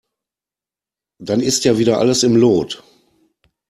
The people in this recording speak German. Dann ist ja wieder alles im Lot.